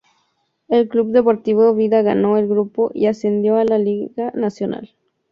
El Club Deportivo Vida ganó el grupo y ascendió a la Liga Nacional.